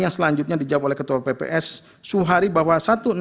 yang selanjutnya dijawab oleh ketua pps suhari bahwa